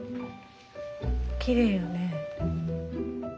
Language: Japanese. きれいやね。